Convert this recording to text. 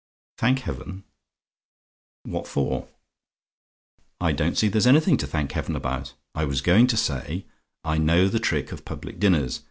"THANK HEAVEN? "What for? I don't see that there's anything to thank Heaven about! I was going to say, I know the trick of public dinners.